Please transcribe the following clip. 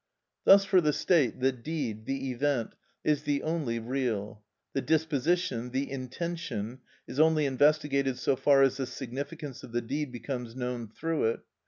Thus for the state the deed, the event, is the only real; the disposition, the intention, is only investigated so far as the significance of the deed becomes known through it.